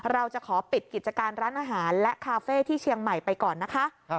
เราจะขอปิดกิจการร้านอาหารและคาเฟ่ที่เชียงใหม่ไปก่อนนะคะ